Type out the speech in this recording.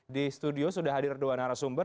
di studio sudah hadir dua narasumber